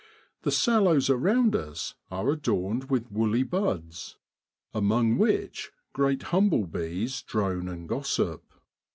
The sallows around us are adorned with woolly buds, among which great humble bees drone and gossip.